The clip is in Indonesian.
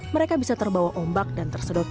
mereka bisa terbawa ombak dan tersedot